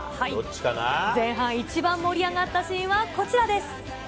前半一番盛り上がったシーンはこちらです。